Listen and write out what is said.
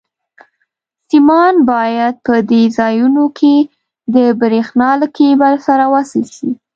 سیمان باید په دې ځایونو کې د برېښنا له کېبل سره وصل شي.